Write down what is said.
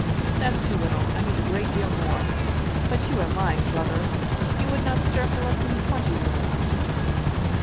" That's too little. I need a great deal more. But you are lying, brother! You would not stir for less than twenty rubles